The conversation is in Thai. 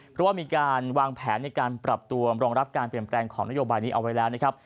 เพราะว่ามีการวางแผนในการปรับตัวรองรับการเปลี่ยนแปลงของนโยบายนี้เอาไว้แล้วนะครับ